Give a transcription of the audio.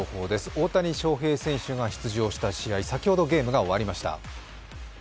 大谷翔平選手が出場した試合、先ほど、ゲームが終わりました。